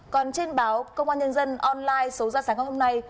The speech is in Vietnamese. còn trên báo công an nhân dân online số ra sáng hôm nay